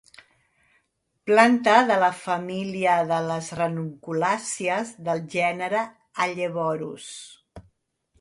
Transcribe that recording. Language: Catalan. Planta de la família de les ranunculàcies, del gènere Helleborus.